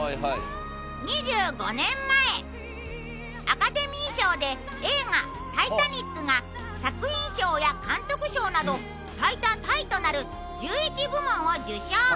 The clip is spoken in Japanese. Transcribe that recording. ２５年前アカデミー賞で映画『タイタニック』が作品賞や監督賞など最多タイとなる１１部門を受賞。